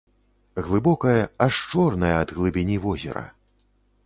Глыбокае, аж чорнае ад глыбіні возера.